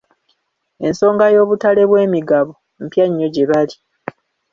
Ensonga y'obutale bw'emigabo mpya nnyo gye bali.